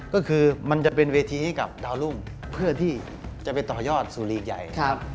ก็คือมันจะเป็นเวทีให้กับดาวรุ่งเพื่อที่จะไปต่อยอดสู่ลีกใหญ่